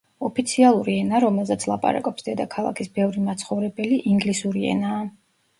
ოფიციალური ენა, რომელზეც ლაპარაკობს დედაქალაქის ბევრი მაცხოვრებელი, ინგლისური ენაა.